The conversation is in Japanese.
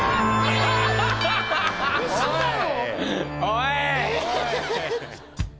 おい。